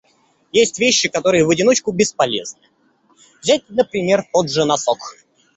Есть вещи, которые в одиночку бесполезны. Взять, например, тот же носок.